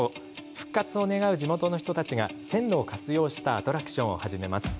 復活を願う地元の人たちが線路を活用したアトラクションを始めます。